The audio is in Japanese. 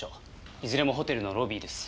いずれもホテルのロビーです。